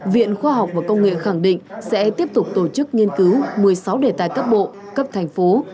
viện khoa học và công nghệ khẳng định sẽ tiếp tục tổ chức nghiên cứu một mươi sáu đề tài cấp bộ cấp thành phố